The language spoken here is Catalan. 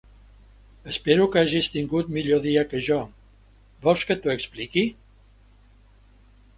Espero que hagis tingut millor dia que jo; vols que t'ho expliqui?